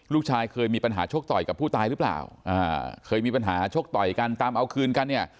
เคยมีปัญหาชกต่อยกับผู้ตายหรือเปล่าอ่าเคยมีปัญหาชกต่อยกันตามเอาคืนกันเนี่ย